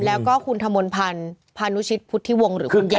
แล้วก็คุณธรรมนภัณฑ์พันธุชิตพุทธิวงหรือคุณแยม